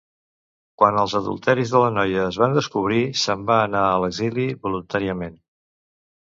Quan els adulteris de la noia es van descobrir, se'n va anar a l'exili voluntàriament.